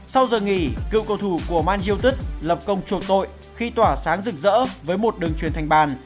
sau giờ nghỉ cựu cầu thủ của man youtut lập công trội tội khi tỏa sáng rực rỡ với một đường truyền thành bàn